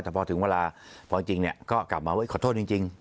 แต่พอถึงเวลาพอจริงก็กลับมาขอโทษจริง